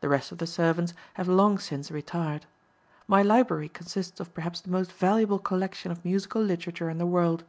The rest of the servants have long since retired. My library consists of perhaps the most valuable collection of musical literature in the world.